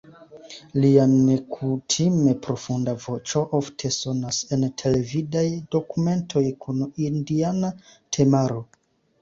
Lia nekutime profunda voĉo ofte sonas en televidaj dokumentoj kun indiana temaro.